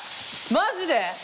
マジで！？